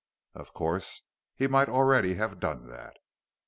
Of course, he might already have done that....